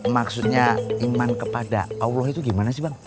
maksudnya iman kepada allah itu gimana sih bang